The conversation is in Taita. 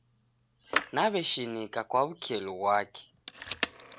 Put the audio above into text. Naw'eshinika kwa wukelu ghwake